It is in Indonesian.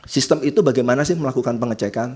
sistem itu bagaimana sih melakukan pengecekan